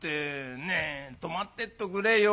ねえ泊まってっておくれよ。